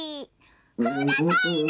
「くださいな」。